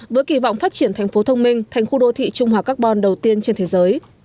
với kỳ vọng phát triển tp thbh thành khu đô thị trung hòa carbon đầu tiên trên thế giới